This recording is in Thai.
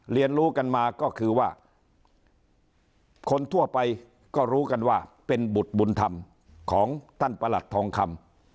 เรียนรู้กันมาก็คือว่าคนทั่วไปก็รู้กันว่าเป็นบุตรบุญธรรมของท่านประหลัดทองคำ